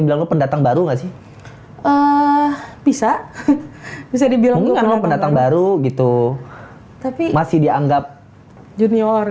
bilang lo pendatang baru nggak sih bisa bisa dibilang pendatang baru gitu tapi masih dianggap junior